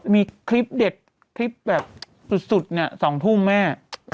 มีคลิปเด็ดคลิปแบบสุดเนี่ย๒ทุ่มแม่